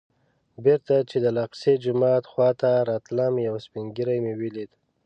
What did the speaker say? بېرته چې د الاقصی جومات خوا ته راتلم یو سپین ږیری مې ولید.